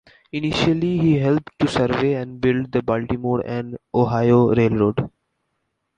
Initially he helped to survey and build the Baltimore and Ohio Railroad.